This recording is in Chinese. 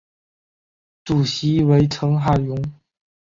主席为成海荣。